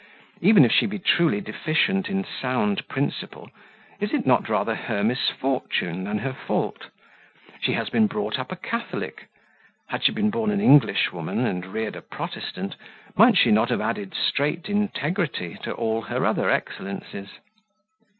Even if she be truly deficient in sound principle, is it not rather her misfortune than her fault? She has been brought up a Catholic: had she been born an Englishwoman, and reared a Protestant, might she not have added straight integrity to all her other excellences?